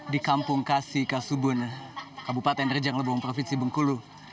di kampung kasi kasubun kabupaten rejang lebong provinsi bengkulu